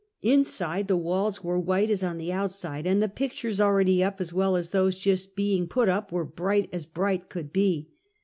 Inside, the walls were white as on the outside, and the pictures already up, as well as those just being put up, were bright as bright could be.